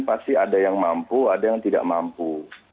pasti ada yang mampu ada yang tidak mampu